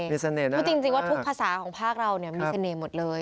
มีเสน่ห์นะคือจริงว่าทุกภาษาของภาคเราเนี่ยมีเสน่ห์หมดเลย